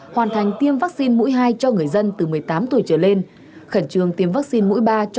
hoàn thành tiêm vaccine mũi hai cho người dân từ một mươi tám tuổi trở lên khẩn trương tiêm vaccine mũi ba cho